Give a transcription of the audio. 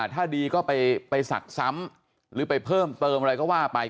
ถ้าดีก็ไปศักดิ์ซ้ำหรือไปเพิ่มเติมอะไรก็ว่าไป